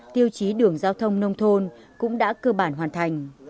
tiêu chí đường giao thông nông thôn cũng đã cơ bản hoàn thành